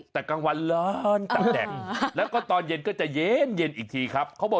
แต่กลางวันร้อนตับแดดแล้วก็ตอนเย็นก็จะเย็นอีกทีครับเขาบอก